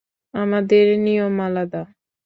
আমাদের নিয়ম আলাদা।